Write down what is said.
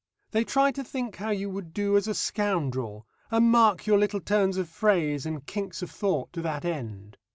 They try to think how you would do as a scoundrel, and mark your little turns of phrase and kinks of thought to that end.